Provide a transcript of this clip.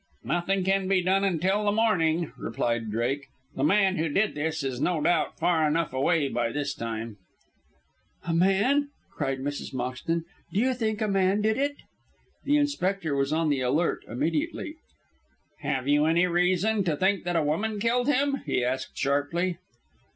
"Nothing can be done until the morning," replied Drake. "The man who did this is no doubt far enough away by this time." "A man!" cried Mrs. Moxton. "Do you think a man did it?" The inspector was on the alert immediately. "Have you any reason to think that a woman killed him?" he asked sharply.